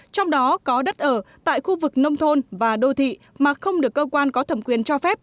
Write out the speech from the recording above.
trong đó có đất ở tại khu vực nông thôn và đô thị mà không được cơ quan có thẩm quyền cho phép